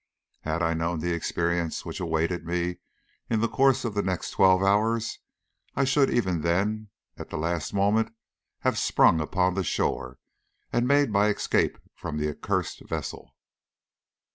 Had I known the experience which awaited me in the course of the next twelve hours I should even then at the last moment have sprung upon the shore, and made my escape from the accursed vessel.